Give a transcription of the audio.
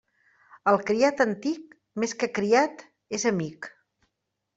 El criat antic, més que criat és amic.